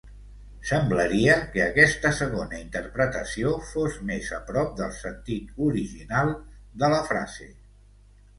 Semblaria que aquesta segona interpretació fos més a prop del sentit original de la frase.